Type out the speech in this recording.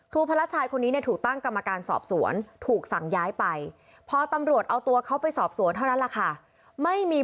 ครูพละชายคนนี้ถูกตั้งกรรมการสอบสวนถูกสั่งย้ายไป